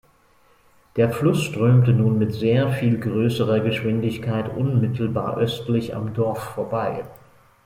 Der Fluss strömte nun mit sehr viel größerer Geschwindigkeit unmittelbar östlich am Dorf vorbei.